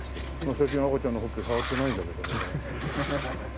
最近赤ちゃんのほっぺ触ってないんだけどもね。